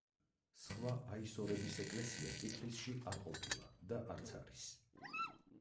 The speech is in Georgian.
სხვა აისორების ეკლესია ტფილისში არ ყოფილა და არც არის.